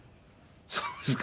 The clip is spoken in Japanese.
そうですか。